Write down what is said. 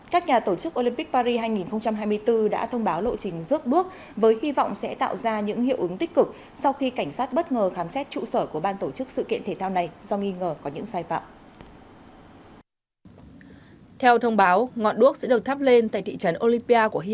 các nhà tổ chức olympic paris hai nghìn hai mươi bốn đã thông báo lộ trình rước bước với hy vọng sẽ tạo ra những hiệu ứng tích cực sau khi cảnh sát bất ngờ khám xét trụ sở của ban tổ chức sự kiện thể thao này